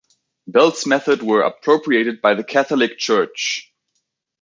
Bell's methods were appropriated by the Catholic church.